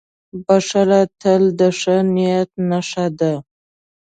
• بښل تل د ښه نیت نښه ده.